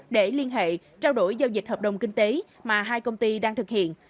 để liên hệ trao đổi giao dịch hợp đồng kinh tế mà hai công ty đang thực hiện